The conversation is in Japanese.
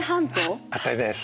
はい当たりです。